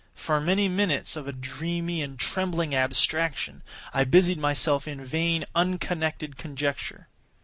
For many minutes of a dreamy and trembling abstraction, I busied myself in vain, unconnected conjecture.